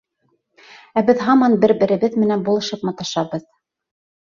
Ә беҙ һаман бер-беребеҙ менән булышып маташабыҙ.